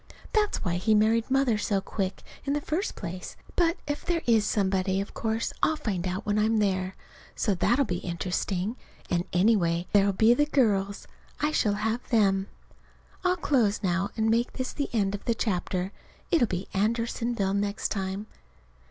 That's why he married Mother so quick, in the first place. But if there is somebody, of course I'll find out when I'm there. So that'll be interesting. And, anyway, there'll be the girls. I shall have them. [Illustration: "I TOLD HER NOT TO WORRY A BIT ABOUT ME"] I'll close now, and make this the end of the chapter. It'll be Andersonville next time.